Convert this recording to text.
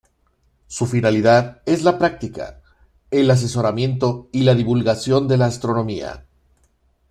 Su finalidad es la práctica, el asesoramiento y la divulgación de la astronomía.